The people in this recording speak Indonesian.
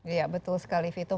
iya betul sekali vito